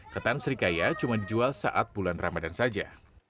ketan serikaya cuma dijual saat bulan ramadan saja